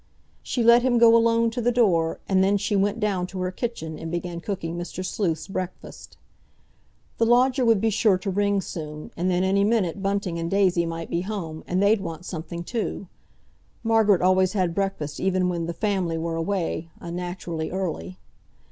She let him go alone to the door, and then she went down to her kitchen, and began cooking Mr. Sleuth's breakfast. The lodger would be sure to ring soon; and then any minute Bunting and Daisy might be home, and they'd want something, too. Margaret always had breakfast even when "the family" were away, unnaturally early.